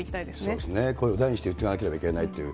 そうですね、声を大にして言っていかなければいけないという。